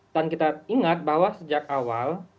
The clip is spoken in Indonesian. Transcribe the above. dan kita ingat bahwa sejak awal